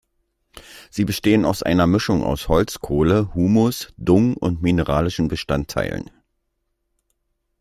Sie bestehen aus einer Mischung aus Holzkohle, Humus, Dung und mineralischen Bestandteilen.